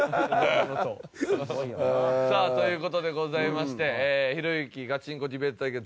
さあという事でございまして「ひろゆきガチンコディベート対決！」